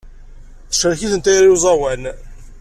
Tecrek-iten tayri n uẓawan.